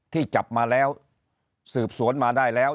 ที่จับมาแล้วสืบสวนมาได้แล้ว